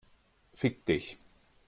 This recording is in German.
Fick dich!